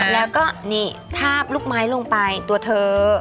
แล้วก็นี่ทาบลูกไม้ลงไปตัวเธอ